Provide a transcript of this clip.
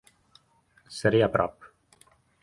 Seré a prop.